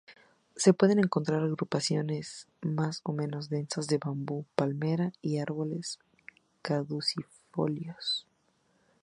Se pueden encontrar agrupaciones más o menos densas de bambú, palmera y árboles caducifolios.